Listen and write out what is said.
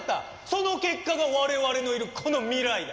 その結果が我々のいるこの未来だ。